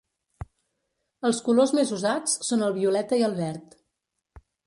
Els colors més usats són el violeta i el verd.